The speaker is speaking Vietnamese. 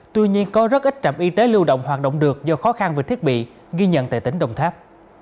tuy nhiên có rất ít trạm y tế lưu động hoạt động được do khó khăn về thiết bị ghi nhận tại tỉnh đồng tháp